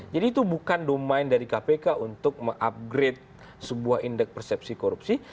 jadi itu bukan domain dari kpk untuk mengupgrade sebuah indeks persepsi korupsi